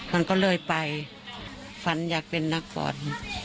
มันก็เลยไปฝันอยากเป็นนักฟอน